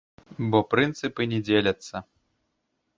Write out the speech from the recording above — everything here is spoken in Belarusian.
Бо прынцыпы не дзеляцца.